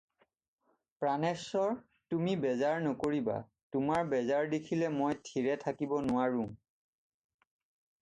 প্ৰাণেশ্বৰ! আৰু তুমি বেজাৰ নকৰিবা, তোমাৰ বেজাৰ দেখিলে মই থিৰে থাকিব নোৱাৰোঁ।